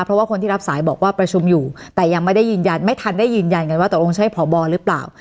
เพราะว่าคนที่รับสายบอกว่าประชุมอยู่แต่ยังไม่ได้ยืนยันไม่ทันได้ยืนยันกันว่าตกลงใช่พบหรือเปล่า